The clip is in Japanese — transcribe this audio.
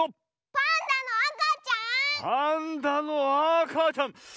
パンダのあかちゃん。